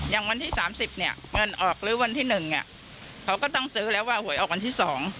อย่างวันที่๓๐เงินออกหรือวันที่๑เขาก็ต้องซื้อแล้วว่าหวยออกวันที่๒